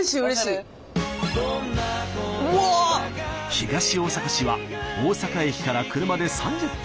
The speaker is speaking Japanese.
東大阪市は大阪駅から車で３０分。